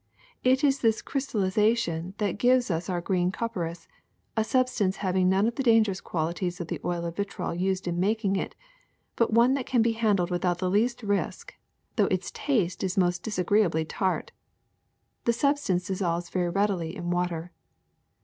It is this crystal lization that gives us our green copperas, a substance having none of the dangerous qualities of the oil of vitriol used in making it, but one that can be handled without the least risk, though its taste is most dis agreeably tart. This substance dissolves very read ily in water.